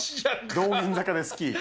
道玄坂でスキー。